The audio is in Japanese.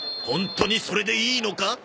ホントにそれでいいのか？